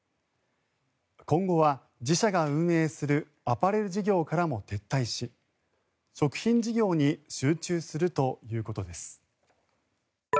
今後は自社が運営するアパレル事業からも撤退し食品事業に集中するということです。